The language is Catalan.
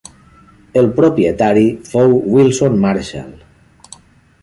El propietari fou Wilson Marshall.